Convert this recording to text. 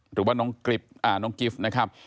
หรือว่าน้องกิฟต์นะครับ